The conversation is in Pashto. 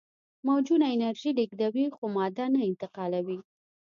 موجونه انرژي لیږدوي خو ماده نه انتقالوي.